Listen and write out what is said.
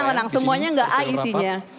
tenang tenang semuanya enggak a ini